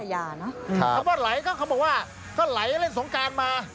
คำว่าไหลก็เขาบอกว่าก็ไหลเล่นสงการมา